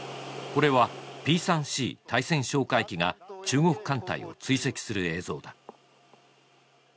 これはＰ−３Ｃ対潜哨戒機が中国艦隊を追跡する映像だ